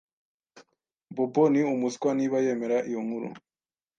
Bobo ni umuswa niba yemera iyo nkuru.